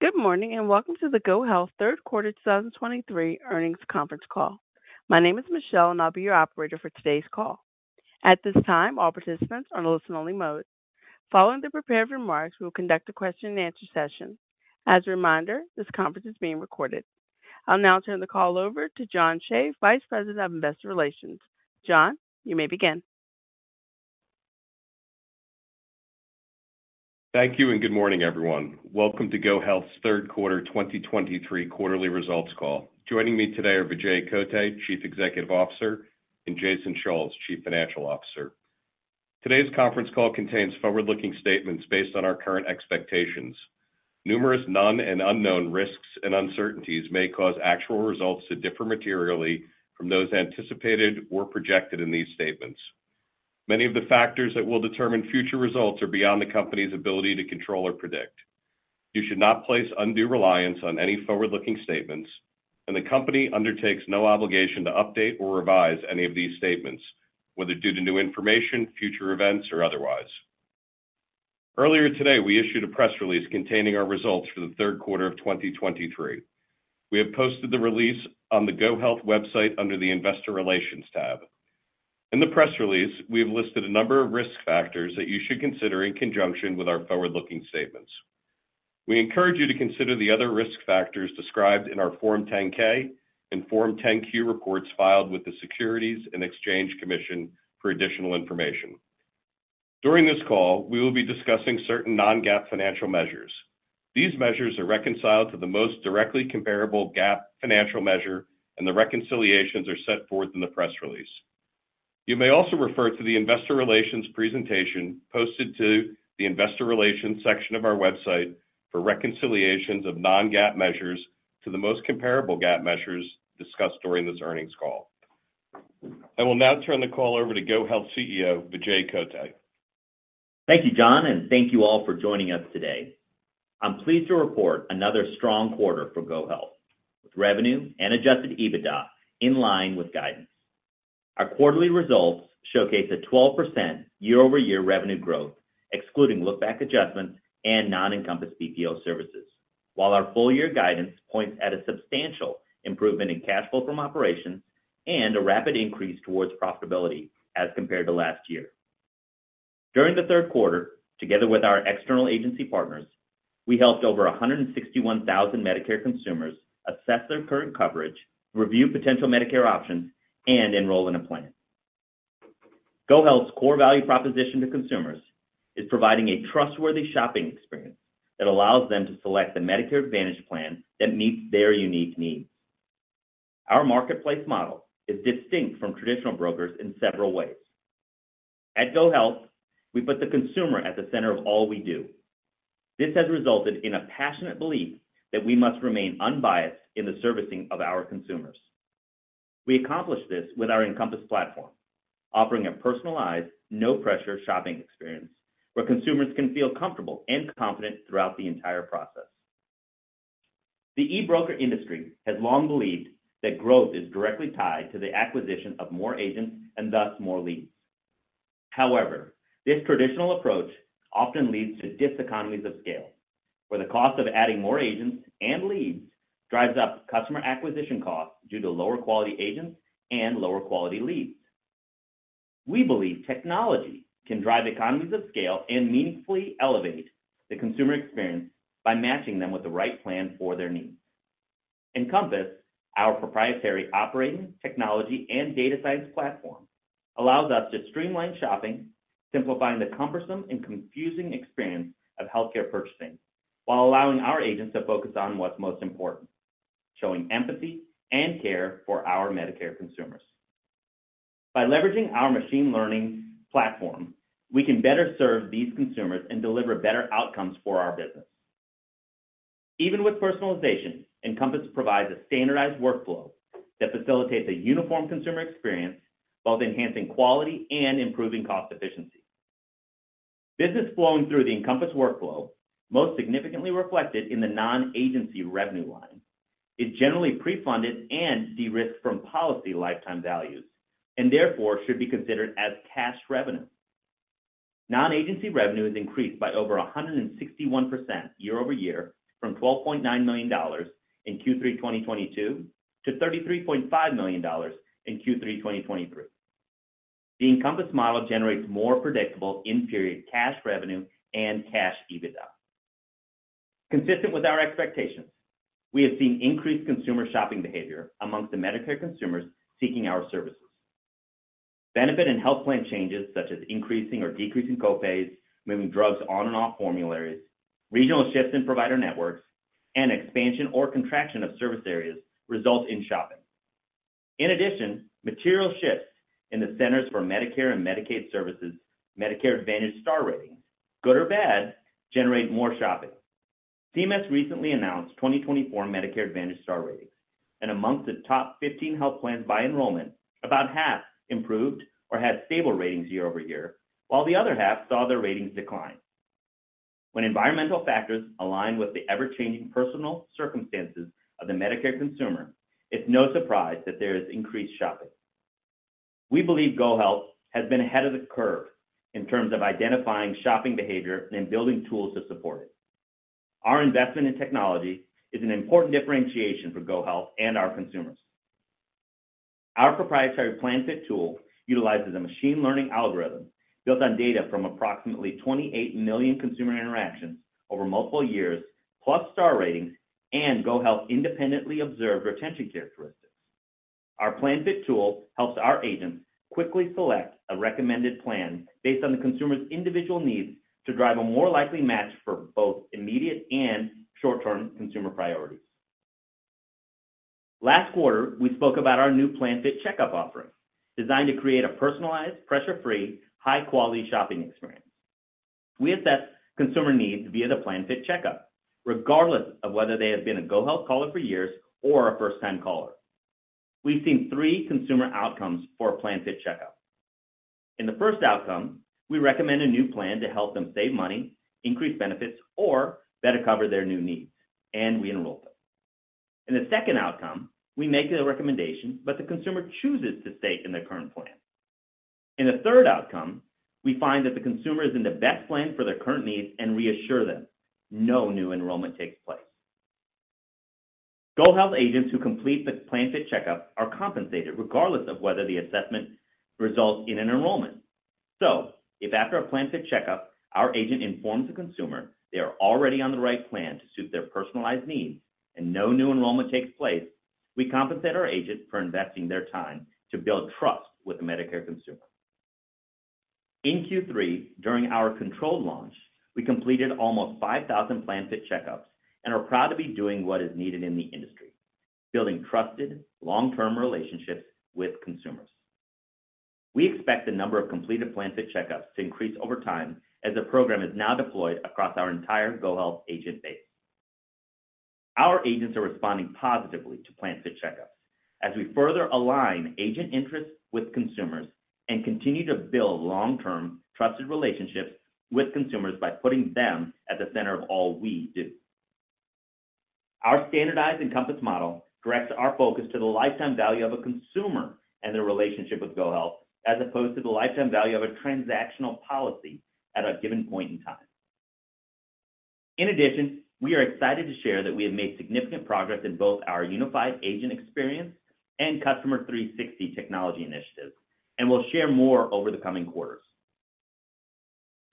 Good morning, and welcome to the GoHealth Q3 2023 earnings conference call. My name is Michelle, and I'll be your operator for today's call. At this time, all participants are in listen-only mode. Following the prepared remarks, we will conduct a question-and-answer session. As a reminder, this conference is being recorded. I'll now turn the call over to John Shave, Vice President of Investor Relations. John, you may begin. Thank you, and good morning, everyone. Welcome to GoHealth's Q3 2023 quarterly results call. Joining me today are Vijay Kotte, Chief Executive Officer, and Jason Schulz, Chief Financial Officer. Today's conference call contains forward-looking statements based on our current expectations. Numerous known and unknown risks and uncertainties may cause actual results to differ materially from those anticipated or projected in these statements. Many of the factors that will determine future results are beyond the company's ability to control or predict. You should not place undue reliance on any forward-looking statements, and the company undertakes no obligation to update or revise any of these statements, whether due to new information, future events, or otherwise. Earlier today, we issued a press release containing our results for the Q3 of 2023. We have posted the release on the GoHealth website under the Investor Relations tab. In the press release, we have listed a number of risk factors that you should consider in conjunction with our forward-looking statements. We encourage you to consider the other risk factors described in our Form 10-K and Form 10-Q reports filed with the Securities and Exchange Commission for additional information. During this call, we will be discussing certain non-GAAP financial measures. These measures are reconciled to the most directly comparable GAAP financial measure, and the reconciliations are set forth in the press release. You may also refer to the investor relations presentation posted to the investor relations section of our website for reconciliations of non-GAAP measures to the most comparable GAAP measures discussed during this earnings call. I will now turn the call over to GoHealth CEO, Vijay Kotte. Thank you, John, and thank you all for joining us today. I'm pleased to report another strong quarter for GoHealth, with revenue and Adjusted EBITDA in line with guidance. Our quarterly results showcase a 12% year-over-year revenue growth, excluding Look-back Adjustments and non-Encompass BPO services, while our full-year guidance points at a substantial improvement in cash flow from operations and a rapid increase towards profitability as compared to last year. During the Q3, together with our external agency partners, we helped over 161,000 Medicare consumers assess their current coverage, review potential Medicare options, and enroll in a plan. GoHealth's core value proposition to consumers is providing a trustworthy shopping experience that allows them to select the Medicare Advantage plan that meets their unique needs. Our marketplace model is distinct from traditional brokers in several ways. At GoHealth, we put the consumer at the center of all we do. This has resulted in a passionate belief that we must remain unbiased in the servicing of our consumers. We accomplish this with our Encompass platform, offering a personalized, no-pressure shopping experience where consumers can feel comfortable and confident throughout the entire process. The e-broker industry has long believed that growth is directly tied to the acquisition of more agents and, thus, more leads. However, this traditional approach often leads to diseconomies of scale, where the cost of adding more agents and leads drives up customer acquisition costs due to lower-quality agents and lower-quality leads. We believe technology can drive economies of scale and meaningfully elevate the consumer experience by matching them with the right plan for their needs. Encompass, our proprietary operating technology and data science platform, allows us to streamline shopping, simplifying the cumbersome and confusing experience of healthcare purchasing, while allowing our agents to focus on what's most important: showing empathy and care for our Medicare consumers. By leveraging our machine learning platform, we can better serve these consumers and deliver better outcomes for our business. Even with personalization, Encompass provides a standardized workflow that facilitates a uniform consumer experience while enhancing quality and improving cost efficiency. Business flowing through the Encompass workflow, most significantly reflected in the non-agency revenue line, is generally pre-funded and de-risked from policy lifetime values, and therefore should be considered as cash revenue. Non-agency revenue is increased by over 161% year-over-year, from $12.9 million in Q3 2022 to $33.5 million in Q3 2023. The Encompass model generates more predictable in-period cash revenue and cash EBITDA. Consistent with our expectations, we have seen increased consumer shopping behavior among the Medicare consumers seeking our services. Benefit and health plan changes, such as increasing or decreasing co-pays, moving drugs on and off formularies, regional shifts in provider networks, and expansion or contraction of service areas result in shopping. In addition, material shifts in the Centers for Medicare and Medicaid Services Medicare Advantage Star Ratings, good or bad, generate more shopping. CMS recently announced 2024 Medicare Advantage Star Ratings, and among the top 15 health plans by enrollment, about half improved or had stable ratings year-over-year, while the other half saw their ratings decline. When environmental factors align with the ever-changing personal circumstances of the Medicare consumer, it's no surprise that there is increased shopping.... We believe GoHealth has been ahead of the curve in terms of identifying shopping behavior and building tools to support it. Our investment in technology is an important differentiation for GoHealth and our consumers. Our proprietary PlanFit tool utilizes a machine learning algorithm built on data from approximately 28 million consumer interactions over multiple years, plus Star Ratings and GoHealth independently observed retention characteristics. Our PlanFit tool helps our agents quickly select a recommended plan based on the consumer's individual needs to drive a more likely match for both immediate and short-term consumer priorities. Last quarter, we spoke about our new PlanFit Checkup offering, designed to create a personalized, pressure-free, high-quality shopping experience. We assess consumer needs via the PlanFit Checkup, regardless of whether they have been a GoHealth caller for years or a first-time caller. We've seen three consumer outcomes for PlanFit Checkup. In the first outcome, we recommend a new plan to help them save money, increase benefits, or better cover their new needs, and we enroll them. In the second outcome, we make a recommendation, but the consumer chooses to stay in their current plan. In the third outcome, we find that the consumer is in the best plan for their current needs and reassure them. No new enrollment takes place. GoHealth agents who complete the PlanFit Checkup are compensated regardless of whether the assessment results in an enrollment. So if after a PlanFit Checkup, our agent informs the consumer they are already on the right plan to suit their personalized needs and no new enrollment takes place, we compensate our agent for investing their time to build trust with the Medicare consumer. In Q3, during our controlled launch, we completed almost 5,000 PlanFit Checkups and are proud to be doing what is needed in the industry, building trusted, long-term relationships with consumers. We expect the number of completed PlanFit Checkups to increase over time as the program is now deployed across our entire GoHealth agent base. Our agents are responding positively to PlanFit Checkups as we further align agent interests with consumers and continue to build long-term, trusted relationships with consumers by putting them at the center of all we do. Our standardized Encompass model directs our focus to the lifetime value of a consumer and their relationship with GoHealth, as opposed to the lifetime value of a transactional policy at a given point in time. In addition, we are excited to share that we have made significant progress in both our unified agent experience and Customer 360 technology initiatives, and we'll share more over the coming quarters.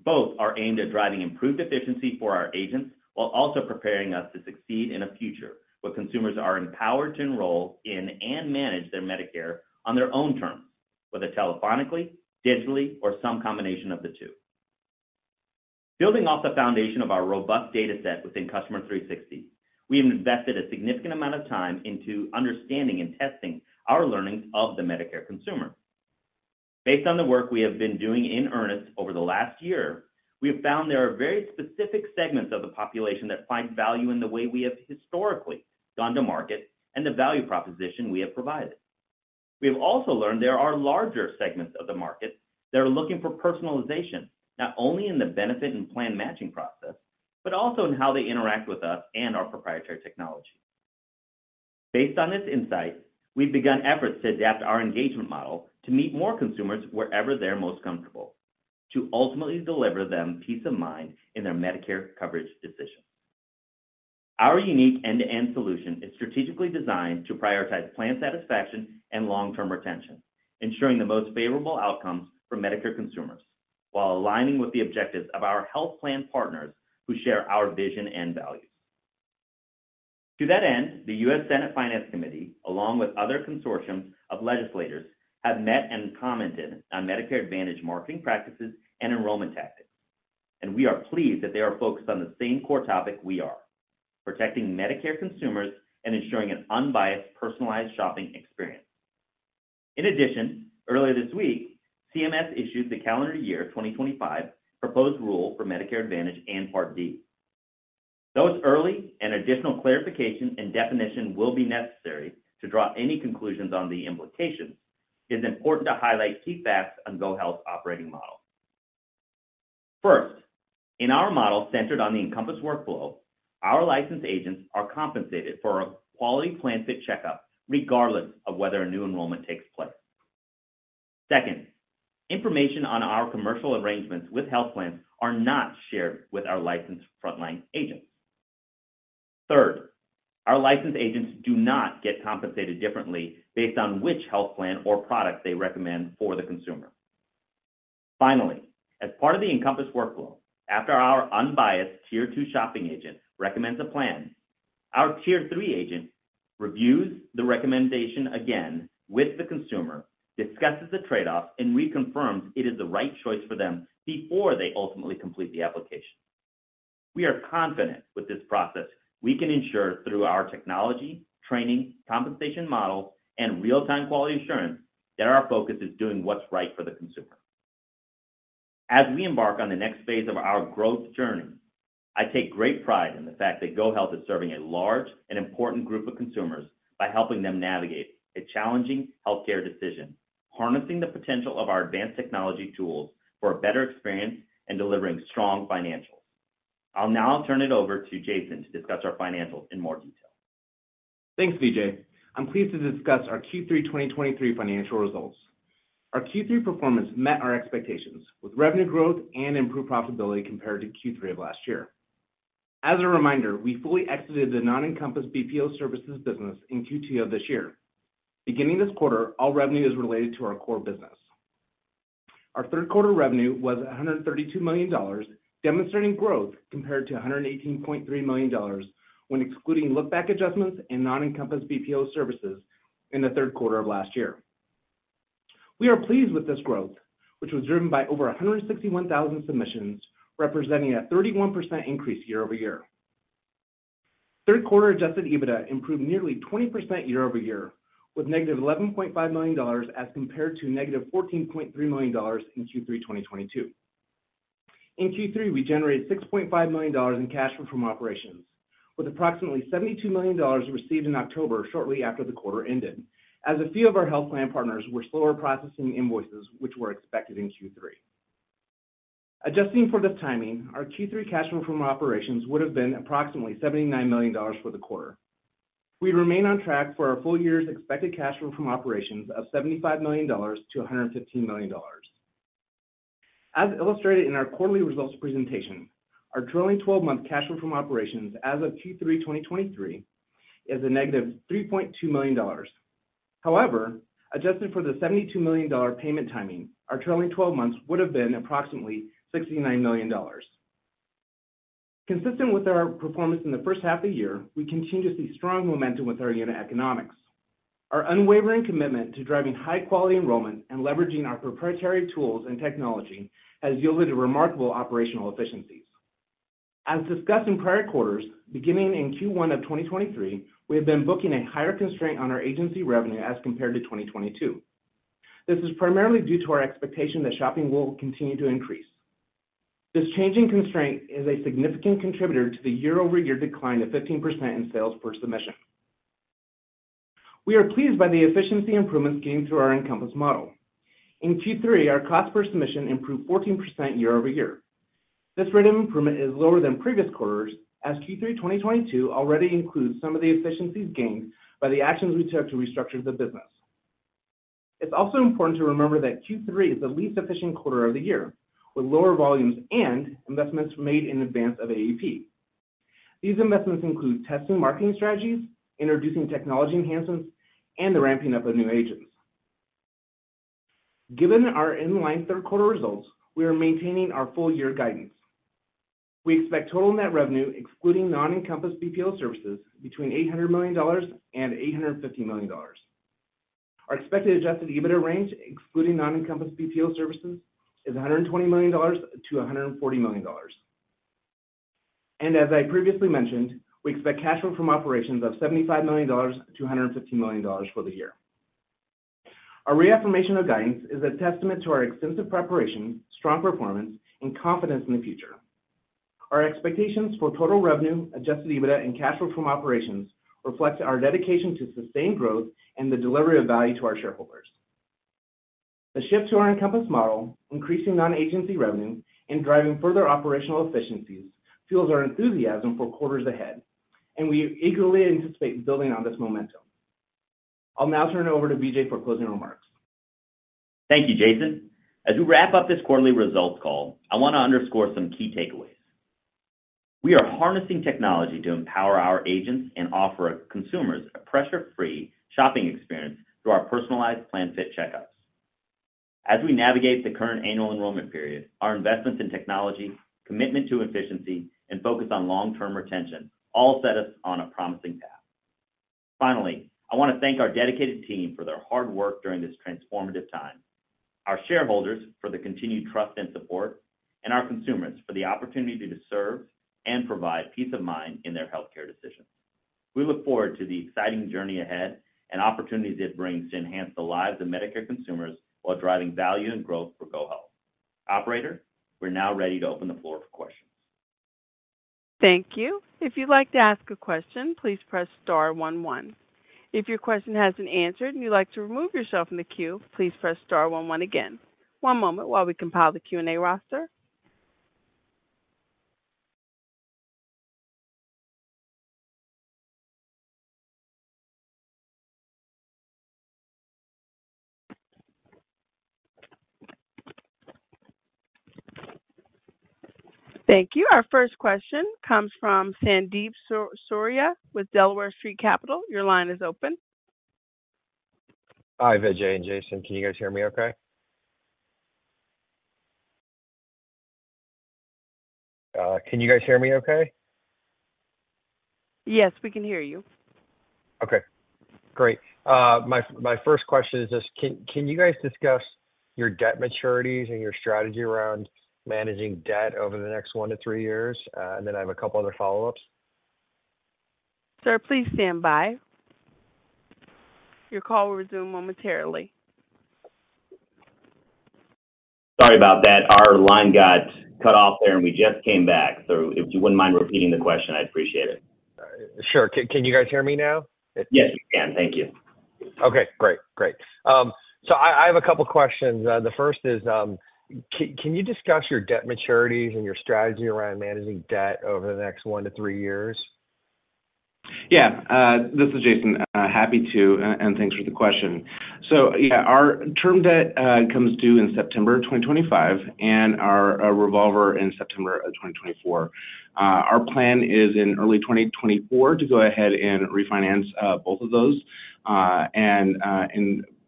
Both are aimed at driving improved efficiency for our agents, while also preparing us to succeed in a future where consumers are empowered to enroll in and manage their Medicare on their own terms, whether telephonically, digitally, or some combination of the two. Building off the foundation of our robust data set within Customer 360, we have invested a significant amount of time into understanding and testing our learnings of the Medicare consumer. Based on the work we have been doing in earnest over the last year, we have found there are very specific segments of the population that find value in the way we have historically gone to market and the value proposition we have provided. We have also learned there are larger segments of the market that are looking for personalization, not only in the benefit and plan matching process, but also in how they interact with us and our proprietary technology. Based on this insight, we've begun efforts to adapt our engagement model to meet more consumers wherever they're most comfortable, to ultimately deliver them peace of mind in their Medicare coverage decision. Our unique end-to-end solution is strategically designed to prioritize plan satisfaction and long-term retention, ensuring the most favorable outcomes for Medicare consumers, while aligning with the objectives of our health plan partners who share our vision and values. To that end, the U.S. Senate Finance Committee, along with other consortiums of legislators, have met and commented on Medicare Advantage marketing practices and enrollment tactics, and we are pleased that they are focused on the same core topic we are: protecting Medicare consumers and ensuring an unbiased, personalized shopping experience. In addition, earlier this week, CMS issued the calendar year 2025 proposed rule for Medicare Advantage and Part D. Those early and additional clarification and definition will be necessary to draw any conclusions on the implications. It is important to highlight key facts on GoHealth's operating model. First, in our model centered on the Encompass workflow, our licensed agents are compensated for a quality PlanFit Checkup, regardless of whether a new enrollment takes place. Second, information on our commercial arrangements with health plans are not shared with our licensed frontline agents. Third, our licensed agents do not get compensated differently based on which health plan or product they recommend for the consumer. Finally, as part of the Encompass workflow, after our unbiased Tier Two shopping agent recommends a plan, our Tier Three agent reviews the recommendation again with the consumer, discusses the trade-offs, and reconfirms it is the right choice for them before they ultimately complete the application. We are confident with this process. We can ensure through our technology, training, compensation model, and real-time quality assurance that our focus is doing what's right for the consumer. As we embark on the next phase of our growth journey, I take great pride in the fact that GoHealth is serving a large and important group of consumers by helping them navigate a challenging healthcare decision, harnessing the potential of our advanced technology tools for a better experience and delivering strong financials. I'll now turn it over to Jason to discuss our financials in more detail.... Thanks, Vijay. I'm pleased to discuss our Q3 2023 financial results. Our Q3 performance met our expectations, with revenue growth and improved profitability compared to Q3 of last year. As a reminder, we fully exited the non-Encompass BPO services business in Q2 of this year. Beginning this quarter, all revenue is related to our core business. Our Q3 revenue was $132 million, demonstrating growth compared to $118.3 million when excluding look-back adjustments and non-Encompass BPO services in the Q3 of last year. We are pleased with this growth, which was driven by over 161,000 submissions, representing a 31% increase year-over-year. Q3 Adjusted EBITDA improved nearly 20% year-over-year, with -$11.5 million as compared to -$14.3 million in Q3 2022. In Q3, we generated $6.5 million in Cash Flow from Operations, with approximately $72 million received in October, shortly after the quarter ended, as a few of our health plan partners were slower processing invoices which were expected in Q3. Adjusting for this timing, our Q3 Cash Flow from Operations would have been approximately $79 million for the quarter. We remain on track for our full year's expected Cash Flow from Operations of $75 million-$115 million. As illustrated in our quarterly results presentation, our trailing twelve-month Cash Flow from Operations as of Q3 2023 is -$3.2 million. However, adjusted for the $72 million payment timing, our trailing twelve months would have been approximately $69 million. Consistent with our performance in the first half of the year, we continue to see strong momentum with our unit economics. Our unwavering commitment to driving high-quality enrollment and leveraging our proprietary tools and technology has yielded remarkable operational efficiencies. As discussed in prior quarters, beginning in Q1 of 2023, we have been booking a higher constraint on our agency revenue as compared to 2022. This is primarily due to our expectation that shopping will continue to increase. This change in constraint is a significant contributor to the year-over-year decline of 15% in sales per submission. We are pleased by the efficiency improvements gained through our Encompass model. In Q3, our cost per submission improved 14% year-over-year. This rate of improvement is lower than previous quarters, as Q3 2022 already includes some of the efficiencies gained by the actions we took to restructure the business. It's also important to remember that Q3 is the least efficient quarter of the year, with lower volumes and investments made in advance of AEP. These investments include testing marketing strategies, introducing technology enhancements, and the ramping up of new agents. Given our in-line Q3 results, we are maintaining our full year guidance. We expect total net revenue, excluding non-Encompass BPO services, between $800 million and $850 million. Our expected adjusted EBITDA range, excluding non-Encompass BPO services, is $120 million-$140 million. And as I previously mentioned, we expect cash flow from operations of $75 million-$115 million for the year. Our reaffirmation of guidance is a testament to our extensive preparation, strong performance, and confidence in the future. Our expectations for total revenue, Adjusted EBITDA, and Cash Flow from Operations reflects our dedication to sustained growth and the delivery of value to our shareholders. The shift to our Encompass model, increasing Non-Agency Revenue, and driving further operational efficiencies fuels our enthusiasm for quarters ahead, and we eagerly anticipate building on this momentum. I'll now turn it over to Vijay for closing remarks. Thank you, Jason. As we wrap up this quarterly results call, I want to underscore some key takeaways. We are harnessing technology to empower our agents and offer consumers a pressure-free shopping experience through our personalized PlanFit checkups. As we navigate the current annual enrollment period, our investments in technology, commitment to efficiency, and focus on long-term retention all set us on a promising path. Finally, I want to thank our dedicated team for their hard work during this transformative time, our shareholders for the continued trust and support, and our consumers for the opportunity to serve and provide peace of mind in their healthcare decisions. We look forward to the exciting journey ahead and opportunities it brings to enhance the lives of Medicare consumers while driving value and growth for GoHealth. Operator, we're now ready to open the floor for questions. Thank you. If you'd like to ask a question, please press star one, one. If your question has been answered and you'd like to remove yourself from the queue, please press star one, one again. One moment while we compile the Q&A roster. Thank you. Our first question comes from Sandeep Soorya with Delaware Street Capital. Your line is open. Hi, Vijay and Jason. Can you guys hear me okay? Can you guys hear me okay? Yes, we can hear you. Okay, great. My first question is just can you guys discuss your debt maturities and your strategy around managing debt over the next one to three years? And then I have a couple other follow-ups. Sir, please stand by. Your call will resume momentarily. Sorry about that. Our line got cut off there, and we just came back. So if you wouldn't mind repeating the question, I'd appreciate it. Sure. Can you guys hear me now? Yes, we can. Thank you.... Okay, great, great. So I have a couple questions. The first is, can you discuss your debt maturities and your strategy around managing debt over the next one to three years? Yeah. This is Jason. Happy to, and thanks for the question. So yeah, our term debt comes due in September 2025, and our revolver in September of 2024. Our plan is in early 2024 to go ahead and refinance both of those, and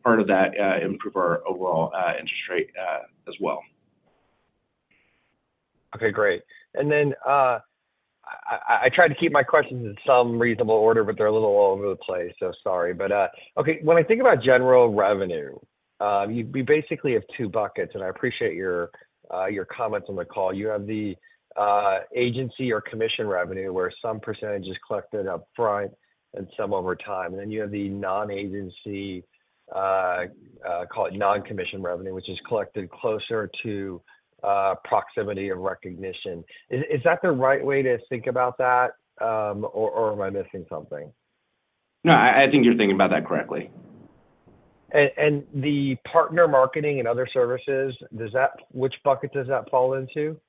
part of that improve our overall interest rate as well. Okay, great. And then, I tried to keep my questions in some reasonable order, but they're a little all over the place, so sorry. But, okay, when I think about general revenue, we basically have two buckets, and I appreciate your your comments on the call. You have the agency or commission revenue, where some percentage is collected upfront and some over time. And then you have the non-agency, call it non-commission revenue, which is collected closer to proximity of recognition. Is that the right way to think about that, or am I missing something? No, I think you're thinking about that correctly. The partner marketing and other services, does that—which bucket does that fall into?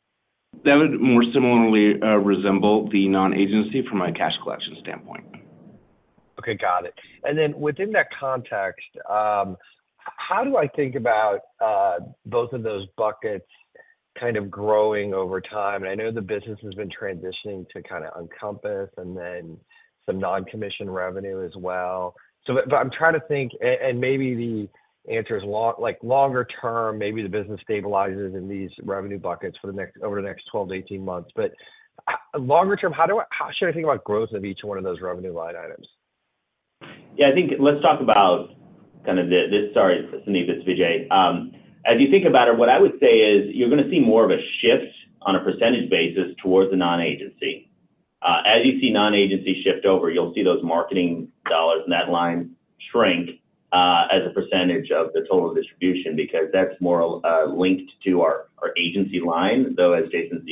That would more similarly resemble the Non-Agency from a cash collection standpoint. Okay, got it. And then within that context, how do I think about both of those buckets kind of growing over time? And I know the business has been transitioning to kinda Encompass and then some non-commission revenue as well. But I'm trying to think, and maybe the answer is long, like, longer term, maybe the business stabilizes in these revenue buckets over the next 12-18 months. But longer term, how should I think about growth of each one of those revenue line items? Yeah, I think let's talk about kind of the, this... Sorry, Sunny, this is Vijay. As you think about it, what I would say is, you're gonna see more of a shift on a percentage basis towards the non-agency. As you see non-agency shift over, you'll see those marketing dollars and that line shrink as a percentage of the total distribution, because that's more linked to our agency line, though, as Jason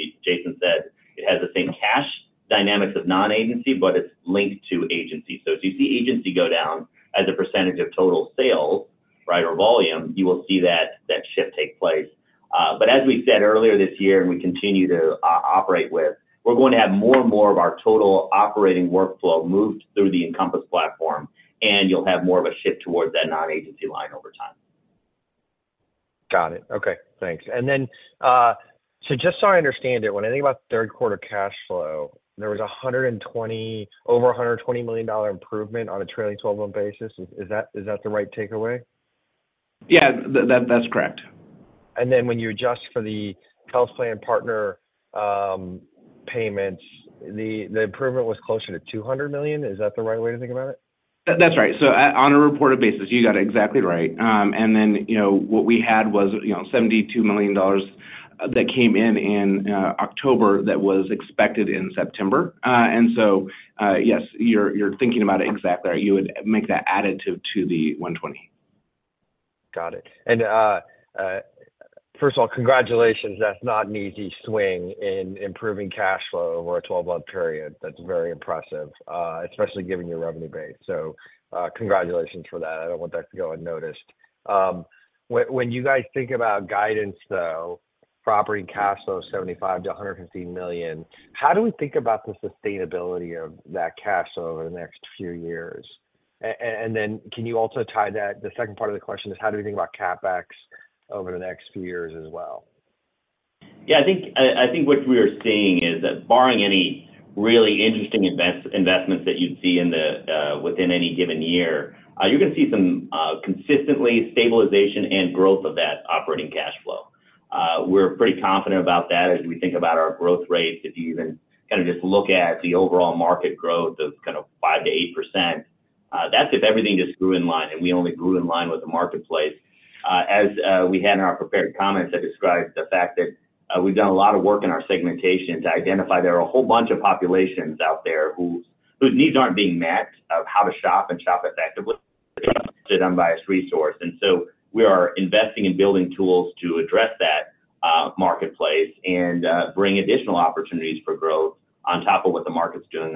said, it has the same cash dynamics of non-agency, but it's linked to agency. So if you see agency go down as a percentage of total sales, right, or volume, you will see that, that shift take place. But as we said earlier this year, and we continue to operate with, we're going to have more and more of our total operating workflow moved through the Encompass platform, and you'll have more of a shift towards that non-agency line over time. Got it. Okay, thanks. And then, so just so I understand it, when I think about Q3 cash flow, there was 120, over $120 million improvement on a trailing twelve-month basis. Is that the right takeaway? Yeah, that, that's correct. And then when you adjust for the health plan partner payments, the improvement was closer to $200 million. Is that the right way to think about it? That's right. So, on a reported basis, you got it exactly right. And then what we had was $72 million that came in in October, that was expected in September. And so, yes, you're thinking about it exactly right. You would make that additive to the 120. Got it. And, first of all, congratulations, that's not an easy swing in improving cash flow over a 12-month period. That's very impressive, especially given your revenue base. So, congratulations for that. I don't want that to go unnoticed. When you guys think about guidance, though, operating cash flow, $75 million-$115 million, how do we think about the sustainability of that cash flow over the next few years? And then can you also tie that... The second part of the question is, how do we think about CapEx over the next few years as well? Yeah, I think, I think what we are seeing is that barring any really interesting investments that you'd see in the, within any given year, you're gonna see some, consistently stabilization and growth of that operating cash flow. We're pretty confident about that as we think about our growth rate. If you even kind of just look at the overall market growth of kind of 5%-8%, that's if everything just grew in line, and we only grew in line with the marketplace. As, we had in our prepared comments, I described the fact that, we've done a lot of work in our segmentation to identify there are a whole bunch of populations out there whose, whose needs aren't being met, of how to shop and shop effectively, the Unbiased Resource. And so we are investing in building tools to address that marketplace and bring additional opportunities for growth on top of what the market's doing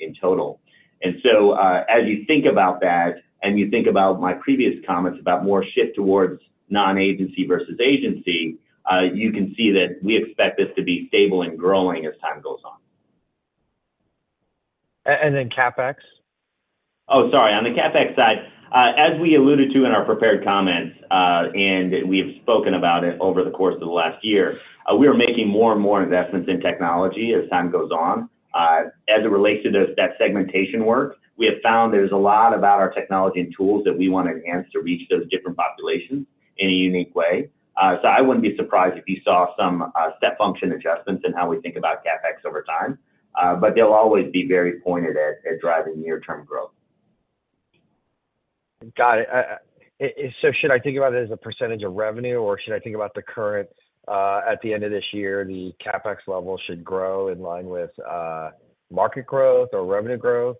in total. And so, as you think about that, and you think about my previous comments about more shift towards non-agency versus agency, you can see that we expect this to be stable and growing as time goes on. And then CapEx? Oh, sorry. On the CapEx side, as we alluded to in our prepared comments, and we have spoken about it over the course of the last year, we are making more and more investments in technology as time goes on. As it relates to those, that segmentation work, we have found there's a lot about our technology and tools that we want to enhance to reach those different populations in a unique way. So I wouldn't be surprised if you saw some step function adjustments in how we think about CapEx over time, but they'll always be very pointed at driving near-term growth. Got it. So should I think about it as a percentage of revenue, or should I think about the current, at the end of this year, the CapEx level should grow in line with, market growth or revenue growth?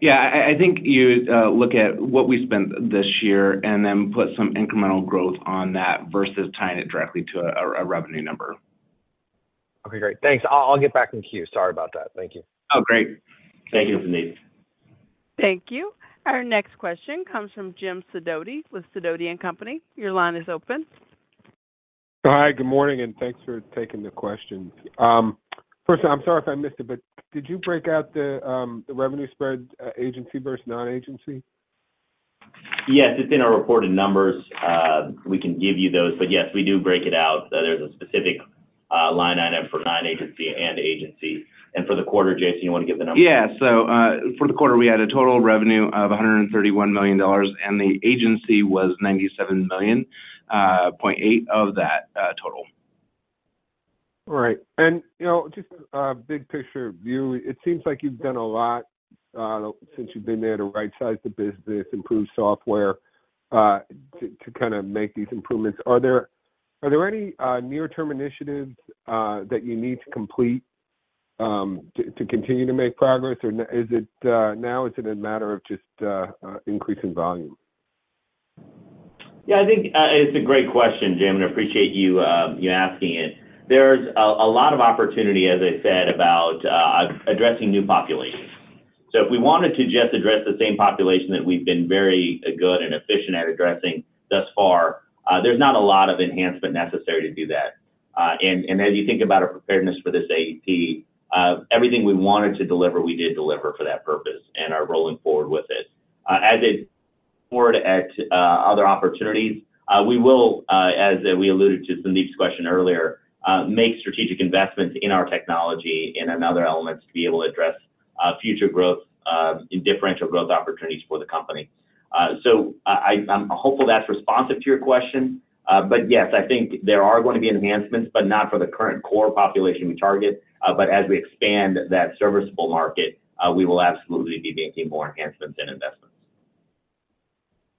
Yeah, I think you look at what we spent this year and then put some incremental growth on that versus tying it directly to a revenue number.... Okay, great. Thanks. I'll, I'll get back in queue. Sorry about that. Thank you. Oh, great. Thank you, Sandeep. Thank you. Our next question comes from Jim Sidoti with Sidoti & Company. Your line is open. Hi, good morning, and thanks for taking the question. First, I'm sorry if I missed it, but did you break out the revenue spread, agency versus non-agency? Yes, it's in our reported numbers. We can give you those, but yes, we do break it out. There's a specific line item for Non-Agency and Agency. For the quarter, Jason, you want to give the numbers? Yeah. So, for the quarter, we had a total revenue of $131 million, and the agency was $97.8 million of that total. All right. And just a big picture view, it seems like you've done a lot since you've been there to right-size the business, improve software to kind of make these improvements. Are there any near-term initiatives that you need to complete to continue to make progress, or is it now a matter of just increasing volume? Yeah, I think, it's a great question, Jim, and I appreciate you asking it. There's a lot of opportunity, as I said, about addressing new populations. So if we wanted to just address the same population that we've been very good and efficient at addressing thus far, there's not a lot of enhancement necessary to do that. And as you think about our preparedness for this AP, everything we wanted to deliver, we did deliver for that purpose and are rolling forward with it. As it forward at other opportunities, we will, as we alluded to Sandeep's question earlier, make strategic investments in our technology and other elements to be able to address future growth and differential growth opportunities for the company. So I'm hopeful that's responsive to your question. Yes, I think there are going to be enhancements, but not for the current core population we target. As we expand that serviceable market, we will absolutely be making more enhancements and investments.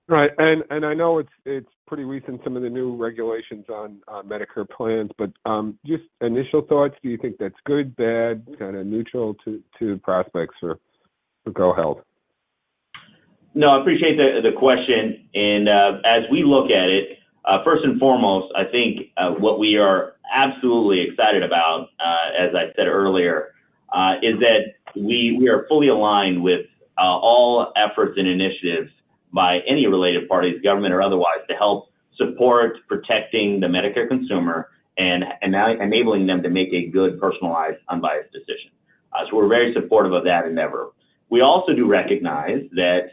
Right. And I know it's pretty recent, some of the new regulations on Medicare plans, but just initial thoughts, do you think that's good, bad, kinda neutral to prospects for GoHealth? No, I appreciate the question, and as we look at it, first and foremost, I think what we are absolutely excited about, as I said earlier, is that we are fully aligned with all efforts and initiatives by any related parties, government or otherwise, to help support protecting the Medicare consumer and enabling them to make a good, personalized, unbiased decision. So we're very supportive of that endeavor. We also do recognize that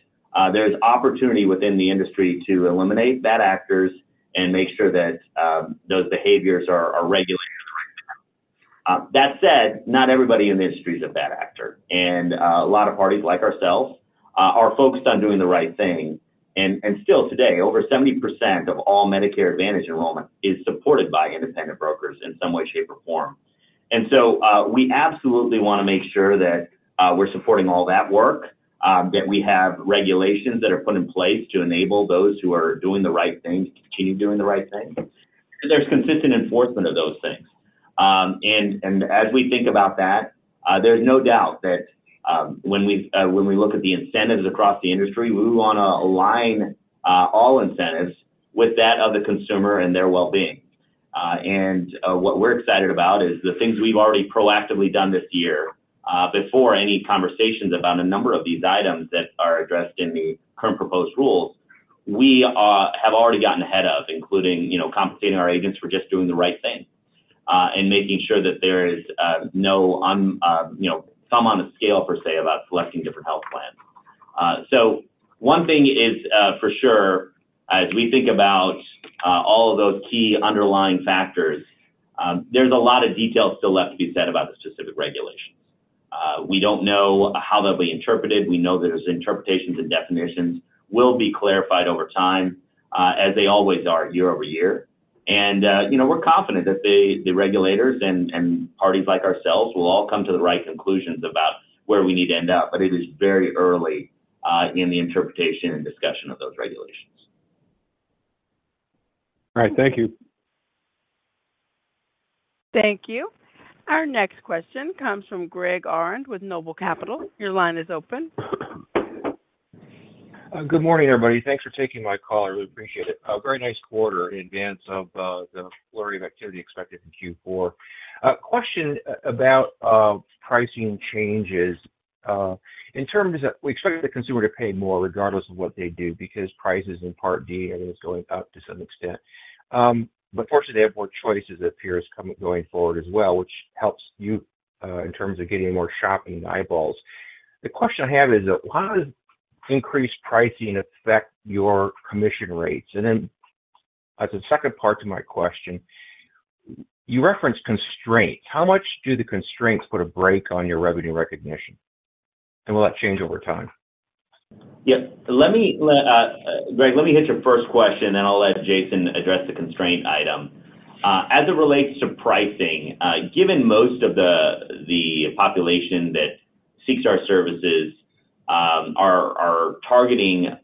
there's opportunity within the industry to eliminate bad actors and make sure that those behaviors are regulated correctly. That said, not everybody in the industry is a bad actor, and a lot of parties like ourselves are focused on doing the right thing. And still today, over 70% of all Medicare Advantage enrollment is supported by independent brokers in some way, shape, or form. And so, we absolutely want to make sure that we're supporting all that work, that we have regulations that are put in place to enable those who are doing the right thing to continue doing the right thing, and there's consistent enforcement of those things. And as we think about that, there's no doubt that when we look at the incentives across the industry, we want to align all incentives with that of the consumer and their well-being. And what we're excited about is the things we've already proactively done this year, before any conversations about a number of these items that are addressed in the current proposed rules. We have already gotten ahead of including compensating our agents for just doing the right thing, and making sure that there is no undue thumb on the scale, per se, about selecting different health plans. One thing is for sure, as we think about all of those key underlying factors, there's a lot of details still left to be said about the specific regulations. We don't know how they'll be interpreted. We know that as interpretations and definitions will be clarified over time, as they always are year-over-year. We're confident that the regulators and parties like ourselves will all come to the right conclusions about where we need to end up, but it is very early in the interpretation and discussion of those regulations. All right. Thank you. Thank you. Our next question comes from Greg Aurand with Noble Capital. Your line is open. Good morning, everybody. Thanks for taking my call. I really appreciate it. A very nice quarter in advance of the flurry of activity expected in Q4. A question about pricing changes. In terms of, we expect the consumer to pay more regardless of what they do, because prices in Part D, I think, is going up to some extent. But fortunately, they have more choices that appears coming, going forward as well, which helps you in terms of getting more shopping eyeballs. The question I have is, how does increased pricing affect your commission rates? And then, as a second part to my question, you referenced constraints. How much do the constraints put a brake on your revenue recognition, and will that change over time? Yep. Let me, Greg, let me hit your first question, then I'll let Jason address the constraint item. As it relates to pricing, given most of the population that seeks our services are targeting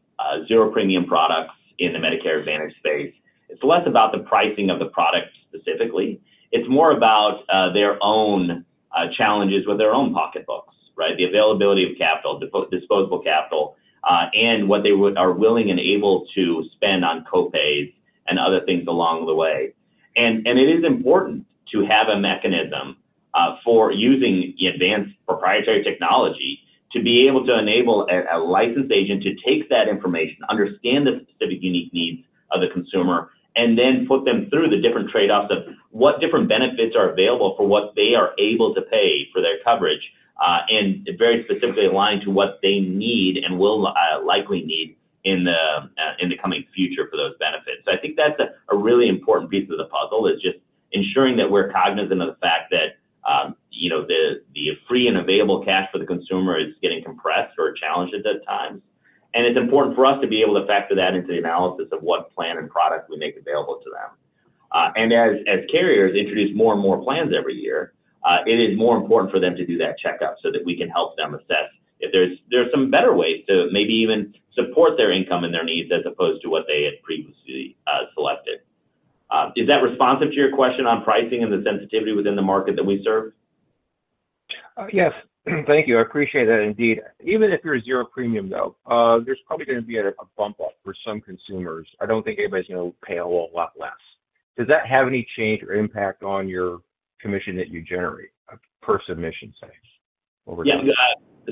zero premium products in the Medicare Advantage space, it's less about the pricing of the product specifically. It's more about their own challenges with their own pocketbooks, right? The availability of capital, disposable capital, and what they are willing and able to spend on co-pays and other things along the way. And it is important to have a mechanism for using the advanced proprietary technology to be able to enable a licensed agent to take that information, understand the specific unique needs of the consumer, and then put them through the different trade-offs of what different benefits are available for what they are able to pay for their coverage, and very specifically aligned to what they need and will likely need in the coming future for those benefits. So I think that's a really important piece of the puzzle, is just ensuring that we're cognizant of the fact that the free and available cash for the consumer is getting compressed or challenged at times. And it's important for us to be able to factor that into the analysis of what plan and product we make available to them. And as carriers introduce more and more plans every year, it is more important for them to do that checkup so that we can help them assess if there are some better ways to maybe even support their income and their needs, as opposed to what they had previously selected. Is that responsive to your question on pricing and the sensitivity within the market that we serve? Yes. Thank you. I appreciate that indeed. Even if you're a zero premium, though, there's probably gonna be a bump up for some consumers. I don't think anybody's gonna pay a lot less. Does that have any change or impact on your commission that you generate per submission, say, over time? Yeah.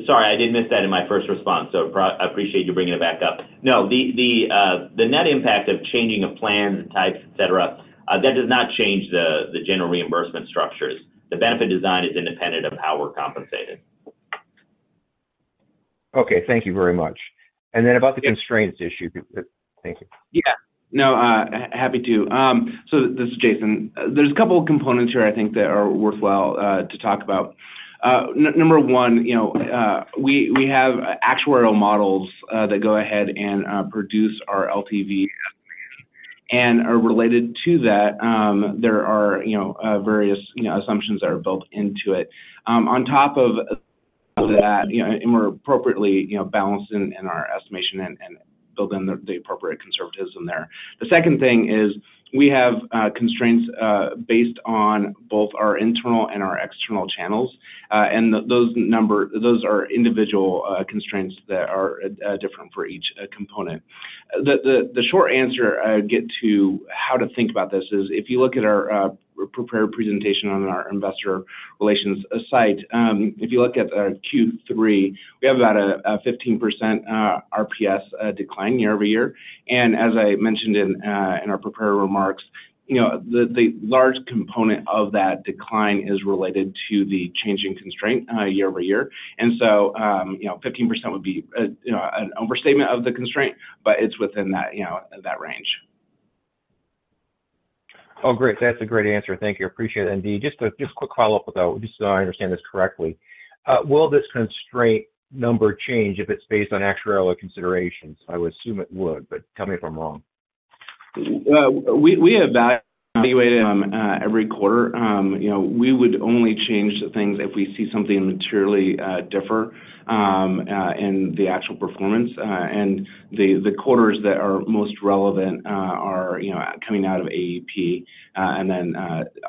Sorry, I did miss that in my first response, so I appreciate you bringing it back up. No, the net impact of changing of plan types, et cetera, that does not change the general reimbursement structures. The benefit design is independent of how we're compensated. Okay, thank you very much. And then about the constraints issue, thank you. Yeah, no, happy to. So this is Jason. There's a couple of components here I think that are worthwhile to talk about. Number one we have actuarial models that go ahead and produce our LTV, and are related to that, there are various assumptions that are built into it. On top of that and we're appropriately balanced in our estimation and building the appropriate conservatism there. The second thing is, we have constraints based on both our internal and our external channels, and those are individual constraints that are different for each component. The short answer I would get to how to think about this is, if you look at our prepared presentation on our investor relations site, if you look at Q3, we have about a 15% RPS decline year-over-year. And as I mentioned in our prepared remarks the large component of that decline is related to the changing constraint year-over-year. And so 15% would be an overstatement of the constraint, but it's within that range. Oh, great. That's a great answer. Thank you. I appreciate it indeed. Just a, just a quick follow-up, though, just so I understand this correctly. Will this constraint number change if it's based on actuarial considerations? I would assume it would, but tell me if I'm wrong. Well, we evaluate them every quarter. We would only change things if we see something materially different in the actual performance, and the quarters that are most relevant are coming out of AEP and then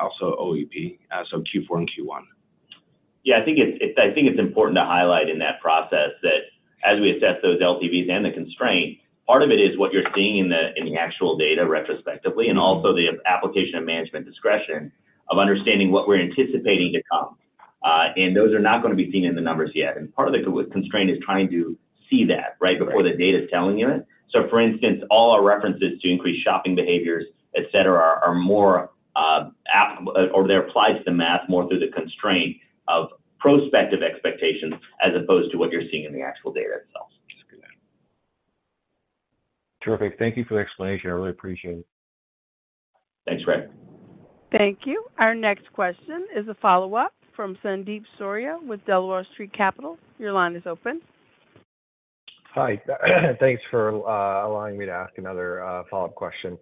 also OEP, so Q4 and Q1. Yeah, I think it's important to highlight in that process that as we assess those LTVs and the constraint, part of it is what you're seeing in the actual data retrospectively, and also the application of management discretion of understanding what we're anticipating to come. And those are not gonna be seen in the numbers yet, and part of the constraint is trying to see that, right, before the data is telling you it. So for instance, all our references to increased shopping behaviors, et cetera, are more applied to the math through the constraint of prospective expectations, as opposed to what you're seeing in the actual data itself. Terrific. Thank you for the explanation. I really appreciate it. Thanks, Greg. Thank you. Our next question is a follow-up from Sandeep Soorya with Delaware Street Capital. Your line is open. Hi. Thanks for allowing me to ask another follow-up question.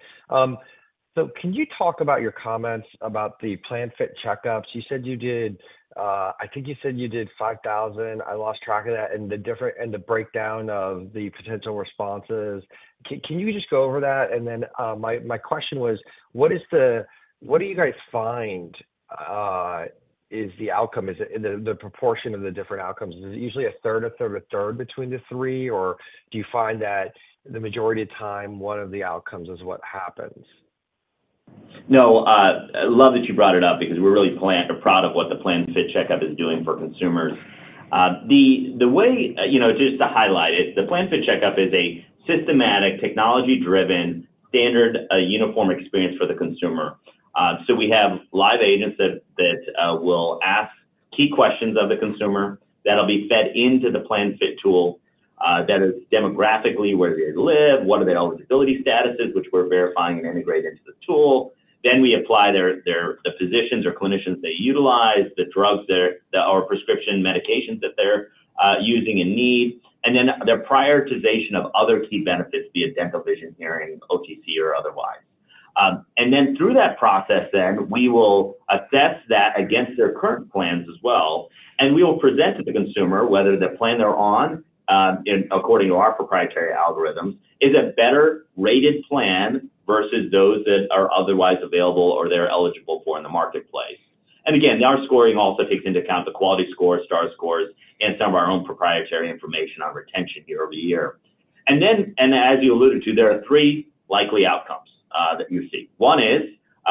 So can you talk about your comments about the PlanFit checkups? You said you did, I think you said you did 5,000. I lost track of that, and the different, and the breakdown of the potential responses. Can you just go over that? And then, my question was: What is the—what do you guys find is the outcome? Is it... the proportion of the different outcomes, is it usually a third, a third, a third between the three, or do you find that the majority of time, one of the outcomes is what happens? No, I love that you brought it up because we're really proud of what the PlanFit Checkup is doing for consumers. The way just to highlight it, the PlanFit Checkup is a systematic, technology-driven, standard, a uniform experience for the consumer. So we have live agents that will ask key questions of the consumer that'll be fed into the PlanFit tool, that is demographically, where they live, what are their eligibility statuses, which we're verifying and integrated into the tool. Then we apply their physicians or clinicians they utilize, the drugs or prescription medications that they're using and need, and then their prioritization of other key benefits, be it dental, vision, hearing, OTC or otherwise. And then through that process, we will assess that against their current plans as well, and we will present to the consumer whether the plan they're on, according to our proprietary algorithms, is a better-rated plan versus those that are otherwise available or they're eligible for in the marketplace. And again, our scoring also takes into account the quality score, star scores, and some of our own proprietary information on retention year-over-year. And then, as you alluded to, there are three likely outcomes that you see. One is,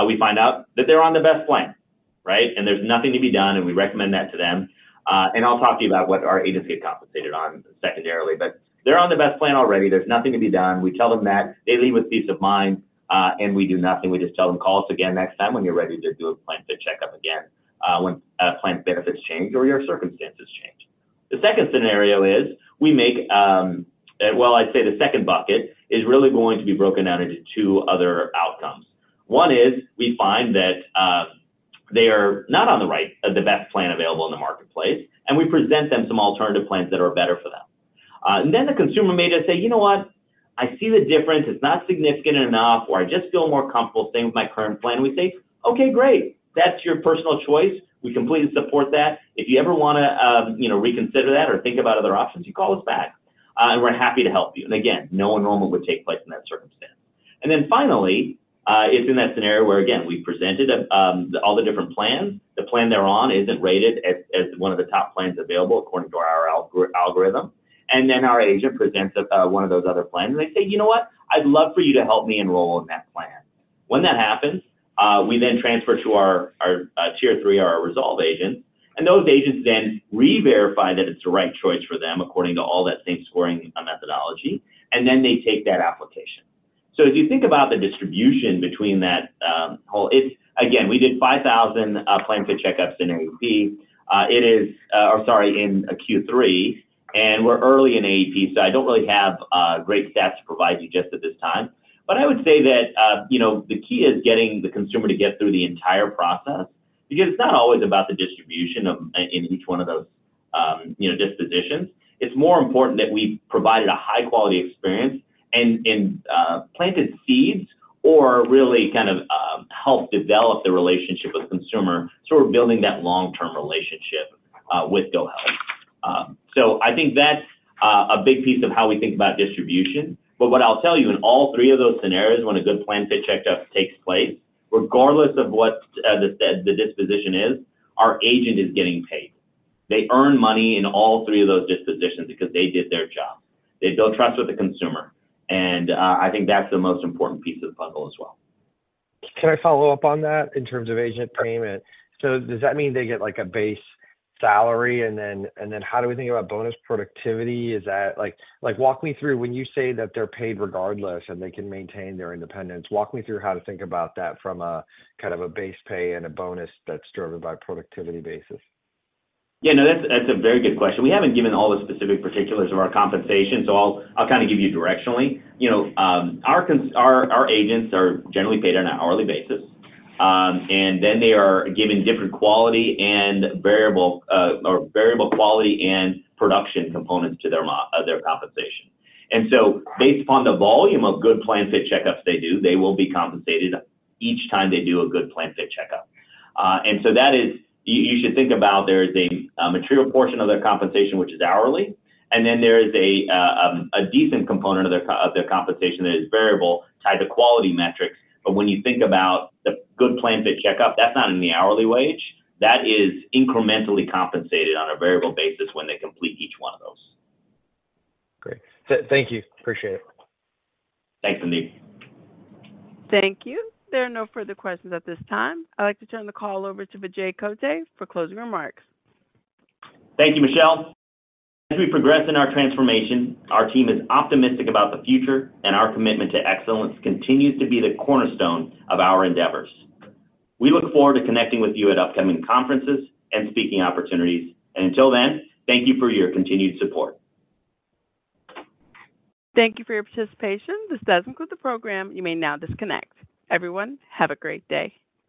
we find out that they're on the best plan, right? And there's nothing to be done, and we recommend that to them. And I'll talk to you about what our agents get compensated on secondarily, but they're on the best plan already. There's nothing to be done. We tell them that, they leave with peace of mind, and we do nothing. We just tell them, "Call us again next time when you're ready to do a PlanFit Checkup again, when plan benefits change or your circumstances change." The second scenario is we make, well, I'd say the second bucket is really going to be broken down into two other outcomes. One is we find that they are not on the right or the best plan available in the marketplace, and we present them some alternative plans that are better for them. And then the consumer may just say, "You know what? I see the difference. It's not significant enough, or I just feel more comfortable staying with my current plan." We say, "Okay, great! That's your personal choice. We completely support that. If you ever wanna reconsider that or think about other options, you call us back, and we're happy to help you." Again, no enrollment would take place in that circumstance. Then finally, in that scenario where, again, we presented all the different plans. The plan they're on isn't rated as one of the top plans available according to our algorithm, and then our agent presents one of those other plans, and they say, "You know what? I'd love for you to help me enroll in that plan." When that happens, we then transfer to our tier three or our resolve agent, and those agents then reverify that it's the right choice for them, according to all that same scoring methodology, and then they take that application. So if you think about the distribution between that whole, it's... Again, we did 5,000 PlanFit Checkups in AEP. Or sorry, in Q3, and we're early in AEP, so I don't really have great stats to provide you just at this time. But I would say that the key is getting the consumer to get through the entire process because it's not always about the distribution of, in each one of those dispositions. It's more important that we've provided a high-quality experience and, and, planted seeds or really kind of, helped develop the relationship with the consumer, so we're building that long-term relationship with GoHealth. So I think that's a big piece of how we think about distribution. But what I'll tell you, in all three of those scenarios, when a good PlanFit Checkup takes place, regardless of what the disposition is, our agent is getting paid. They earn money in all three of those dispositions because they did their job. They build trust with the consumer, and I think that's the most important piece of the puzzle as well. Can I follow up on that in terms of agent payment? So does that mean they get, like, a base salary, and then, and then how do we think about bonus productivity? Is that, like—like, walk me through when you say that they're paid regardless, and they can maintain their independence. Walk me through how to think about that from a, kind of a base pay and a bonus that's driven by productivity basis. Yeah, no, that's a very good question. We haven't given all the specific particulars of our compensation, so I'll kind of give you directionally. Our agents are generally paid on an hourly basis, and then they are given different quality and variable quality and production components to their compensation. And so based upon the volume of good PlanFit Checkups they do, they will be compensated each time they do a good PlanFit Checkup. And so that is, you should think about there is a material portion of their compensation, which is hourly, and then there is a decent component of their compensation that is variable, tied to quality metrics. But when you think about the good PlanFit Checkup, that's not in the hourly wage. That is incrementally compensated on a variable basis when they complete each one of those. Great. Thank you. Appreciate it. Thanks, Sandeep. Thank you. There are no further questions at this time. I'd like to turn the call over to Vijay Kotte for closing remarks. Thank you, Michelle. As we progress in our transformation, our team is optimistic about the future, and our commitment to excellence continues to be the cornerstone of our endeavors. We look forward to connecting with you at upcoming conferences and speaking opportunities. And until then, thank you for your continued support. Thank you for your participation. This does conclude the program. You may now disconnect. Everyone, have a great day.